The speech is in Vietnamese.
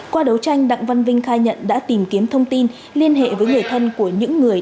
qua đấu tranh đặng văn vinh khai nhận đã tìm kiếm thông tin liên hệ với người thân của những người